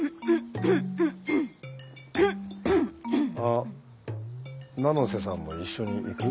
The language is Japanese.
あ七瀬さんも一緒に行く？